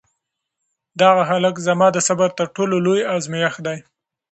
دغه هلک زما د صبر تر ټولو لوی ازمېښت دی.